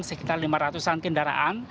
sekitar lima ratus an kendaraan